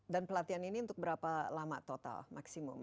dan pelatihan ini untuk berapa lama total maksimum